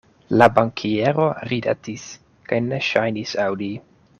La bankiero ridetis kaj ne ŝajnis aŭdi.